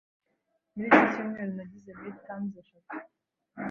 Muri iki cyumweru nagize midterms eshatu.